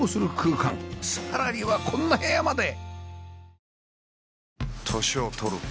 さらにはこんな部屋まで！